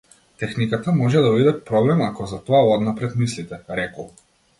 Техниката може да биде проблем ако за тоа однапред мислите, рекол.